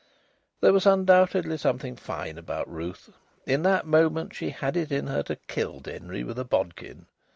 There was undoubtedly something fine about Ruth. In that moment she had it in her to kill Denry with a bodkin.